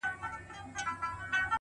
نظم د سترو پلانونو بنسټ جوړوي،